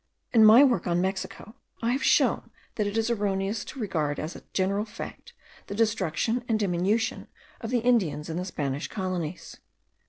In my work on Mexico, I have shown that it is erroneous to regard as a general fact the destruction and diminution of the Indians in the Spanish colonies.